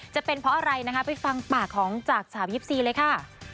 จะเป็นเพราะอะไรนะคะไปฟังปากของจากสาว๒๔เลยค่ะ